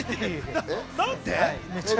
何で？